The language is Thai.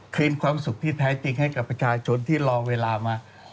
คืนความสุขที่แท้จริงให้กับประชาชนที่รอเวลามา